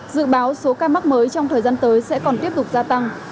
dự báo số ca mắc mới trong thời gian tới sẽ còn tiếp tục gia tăng